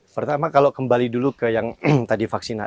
pertama kalau kembali dulu ke yang tadi vaksinasi